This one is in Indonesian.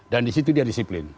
dan di situ dia disiplin